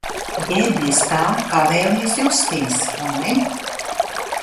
Ģērbies tā, kā vēlies justies, vai ne?